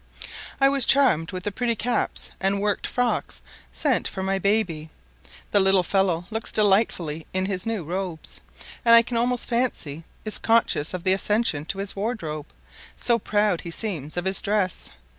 I was charmed with the pretty caps and worked frocks sent for my baby; the little fellow looks delightfully in his new robes, and I can almost fancy is conscious of the accession to his wardrobe, so proud he seems of his dress.